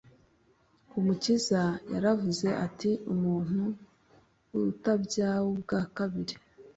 Umukiza yaravuzati Umuntu utabyawubga kabiri